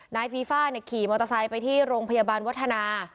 ฟีฟ่าขี่มอเตอร์ไซค์ไปที่โรงพยาบาลวัฒนา